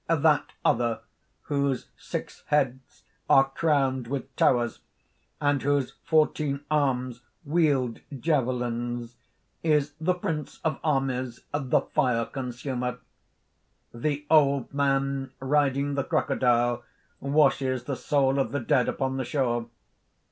"That other whose six heads are crowned with towers, and whose fourteen arms wield javelins, is the prince of armies, the Fire Consumer. "The old man riding the crocodile washes the soul of the dead upon the shore.